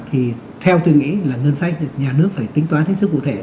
thì theo tôi nghĩ là ngân sách nhà nước phải tính toán hết sức cụ thể